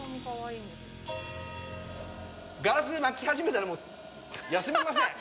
ガラス、巻き始めたら休みません。